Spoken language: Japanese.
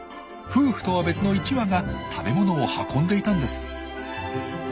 夫婦とは別の１羽が食べ物を運んでいたんです。